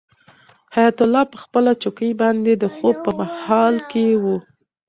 حیات الله په خپله چوکۍ باندې د خوب په حال کې و.